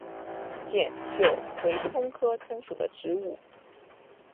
碱韭为葱科葱属的植物。